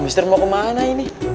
mister mau kemana ini